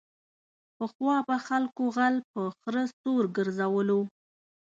پخوا به خلکو غل په خره سور گرځولو.